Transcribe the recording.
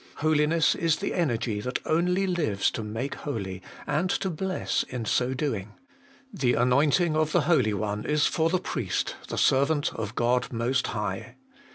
Holiness is the energy that only lives to make holy, and to bless in so doing : the anoint ing of the Holy One is for the priest, the servant of God Most Higli.